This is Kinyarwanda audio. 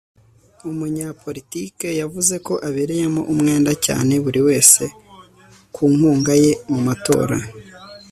Umunyapolitike yavuze ko abereyemo umwenda cyane buri wese ku nkunga ye mu matora